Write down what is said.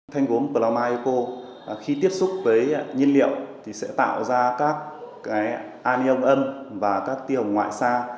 thanh cốm plomai eco khi tiếp xúc với nhiên liệu thì sẽ tạo ra các anion âm và các tiêu hồng ngoại xa